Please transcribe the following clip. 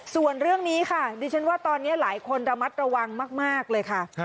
ส่วนเรื่องนี้ค่ะดิฉันว่าตอนนี้หลายคนระมัดระวังมากเลยค่ะ